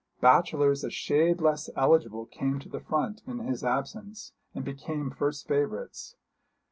Bachelors a shade less eligible came to the front in his absence and became first favourites.